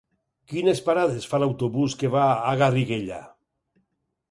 Quines parades fa l'autobús que va a Garriguella?